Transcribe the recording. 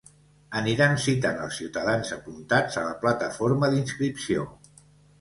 Aniran citant els ciutadans apuntats a la plataforma d’inscripció.